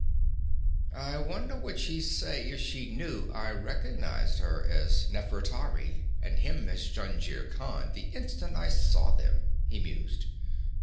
'I wonder what she'd say if she knew I recognized her as Nafertari and him as Jungir Khan the instant I saw them,' he mused.